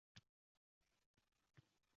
Ammo shunday yozuvchi –